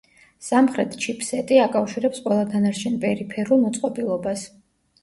სამხრეთ ჩიპსეტი აკავშირებს ყველა დანარჩენ პერიფერულ მოწყობილობას.